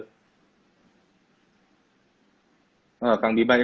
kang dima ini masih ada yang mau di isolasi lagi di rumah lanjut